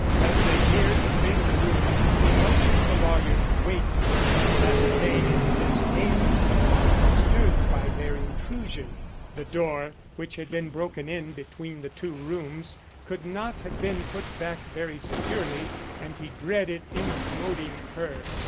As they neared the fatal room he motioned the lawyer to wait till he could ascertain if Miss Hazen would be disturbed by their intrusion. The door, which had been broken in between the two rooms, could not have been put back very securely, and he dreaded incommoding her.